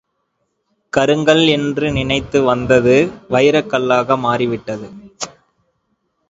கருங்கல் என்று நினைத்து வந்தது வைரக் கல்லாக மாறிவிட்டது.